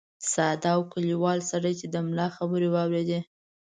ساده او کلیوال سړي چې د ملا خبرې واورېدې.